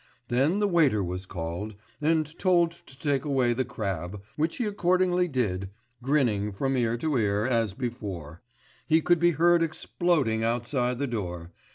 Then the waiter was called, and told to take away the crab, which he accordingly did, grinning from ear to ear, as before; he could be heard exploding outside the door....